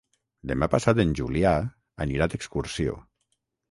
Demà passat en Julià anirà d'excursió.